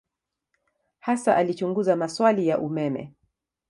Hasa alichunguza maswali ya umeme.